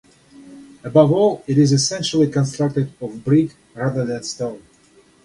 Above all, it is essentially constructed of brick rather than stone.